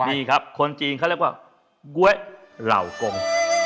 ดีครับคนจีนเขาเรียกว่าก๊วยเหล่ากง